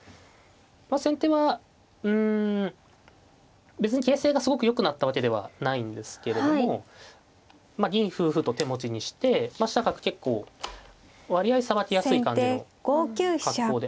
まあ先手はうん別に形勢がすごく良くなったわけではないんですけれどもまあ銀歩歩と手持ちにして飛車角結構割合さばきやすい感じの格好で。